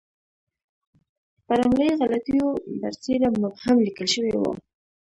پر املایي غلطیو برسېره مبهم لیکل شوی وو.